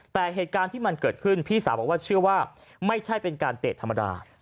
แต่เหตุการณ์ที่มันเกิดขึ้นพี่สาวบอกว่าเชื่อว่าไม่ใช่เป็นการเตะธรรมดา